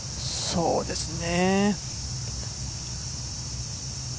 そうですね。